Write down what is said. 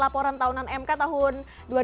laporan tahunan mk tahun dua ribu sembilan belas